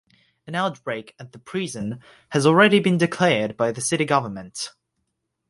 An outbreak at the prison has already been declared by the city government.